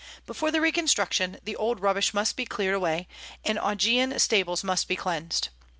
Before the reconstruction, the old rubbish must be cleared away, and Augean stables must be cleansed.